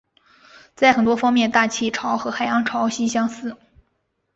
在很多方面大气潮和海洋潮汐类似。